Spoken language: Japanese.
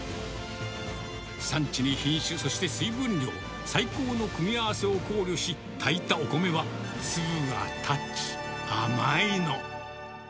産地に品種、そして水分量、最高の組み合わせを考慮し、炊いたお米は、粒が立ち、甘いの。